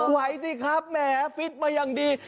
สิครับแหมฟิตมาอย่างดี